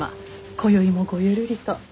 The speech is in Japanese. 今宵もごゆるりと。